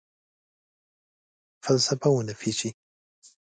فلسفه ونه پیچي